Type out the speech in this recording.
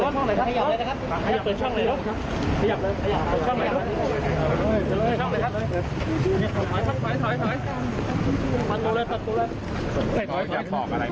ขอยนะครับ